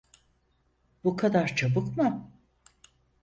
Bu kadar çabuk mu?